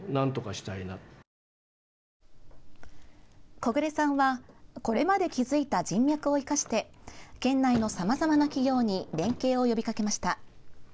木榑さんはこれまで築いた人脈を生かして県内のさまざまな企業に連携を呼びかけました。